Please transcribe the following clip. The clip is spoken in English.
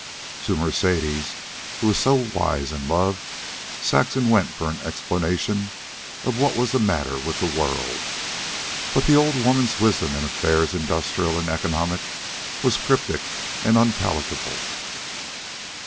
To Mercedes, who was so wise in love, Saxon went for explanation of what was the matter with the world. But the old woman's wisdom in affairs industrial and economic was cryptic and unpalatable.